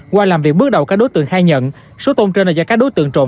qua làm việc bước đầu các đối tượng khai nhận số tôm trên là do các đối tượng trộn